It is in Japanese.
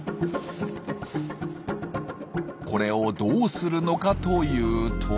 これをどうするのかというと。